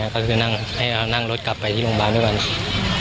ก็คือนั่งรถกลับไปที่โรงพยาบาลด้วยก่อน